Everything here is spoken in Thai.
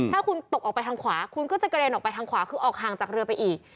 ถ้าคุณตกออกไปทางขวาคุณก็จะกระเด็นออกไปทางขวาคือออกห่างจากเรือไปอีก